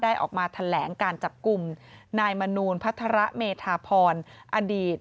ออกมาแถลงการจับกลุ่มนายมนูลพัฒระเมธาพรอดีต